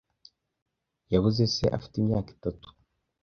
Yabuze se afite imyaka itatu.